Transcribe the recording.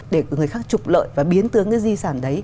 để người khác trục lợi và biến tướng cái di sản đấy